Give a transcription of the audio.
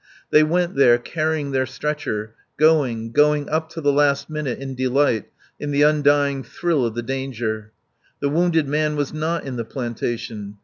They went there, carrying their stretcher, going, going up to the last minute, in delight, in the undying thrill of the danger. The wounded man was not in the plantation.